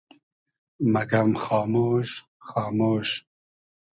مئگئم خامۉش خامۉش